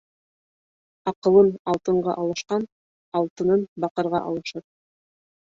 Аҡылын алтынға алышҡан алтынын баҡырға алышыр.